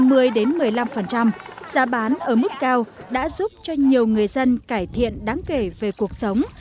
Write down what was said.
giá bán ở mức cao đã giúp cho nhiều người dân cải thiện đáng kể về cuộc sống